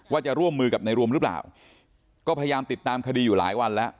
ว่าจะร่วมมือกับในรวมหรือเปล่าก็พยายามติดตามคดีอยู่หลายวันแล้ว